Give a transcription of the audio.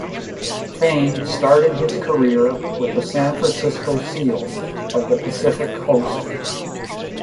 Fain started his career with the San Francisco Seals of the Pacific Coast League.